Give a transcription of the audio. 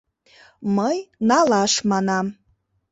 Мый «налаш» манам.